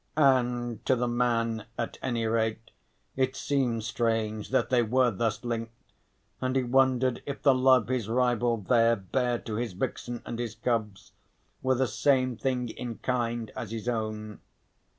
And to the man, at any rate, it seemed strange that they were thus linked, and he wondered if the love his rival there bare to his vixen and his cubs were the same thing in kind as his own.